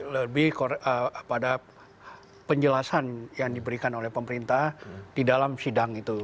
lebih pada penjelasan yang diberikan oleh pemerintah di dalam sidang itu